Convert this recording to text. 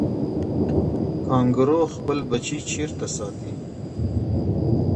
کانګارو خپل بچی چیرته ساتي؟